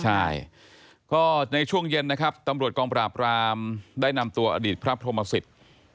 ใช่ก็ในช่วงเย็นนะครับตำรวจกองปราบรามได้นำตัวอดีตพระพรหมสิทธิ์